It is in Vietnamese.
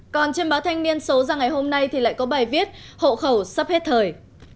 còn trên báo thanh niên số ra ngày hôm nay thì lại có bài viết hộ khẩu sắp hết thời